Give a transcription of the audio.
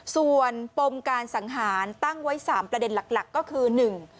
ส่วนปมการสังหารตั้งไว้๓ประเด็นหลักก็คือ